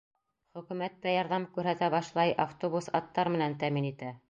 Хөкүмәт тә ярҙам күрһәтә башлай, автобус, аттар менән тәьмин итә.